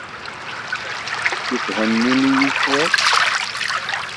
I thennim-iyi cwiṭ?